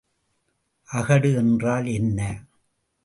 அகடு என்றால் என்ன?